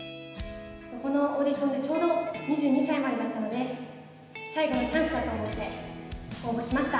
このオーディションでちょうど２２歳までだったので最後のチャンスだと思って応募しました。